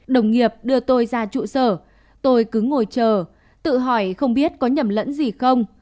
đồng nghiệp đưa tôi ra trụ sở tôi cứ ngồi chờ tự hỏi không biết có nhầm lẫn gì không